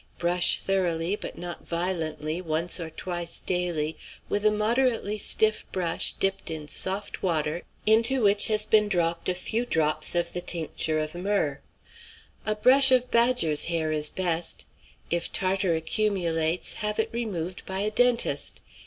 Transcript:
Brush thoroughly but not violently once or twice daily with a moderately stiff brush dipped in soft water into which has been dropped a few drops of the tincture of myrrh. A brush of badger's hair is best. If tartar accumulates, have it removed by a dentist.